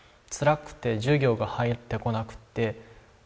つらくて授業が入って来なくて。